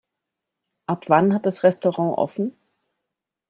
Ab wann hat das Restaurant offen?